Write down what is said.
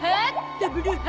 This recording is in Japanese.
ダブル派？